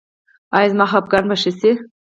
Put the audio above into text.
ایا زما خپګان به ښه شي؟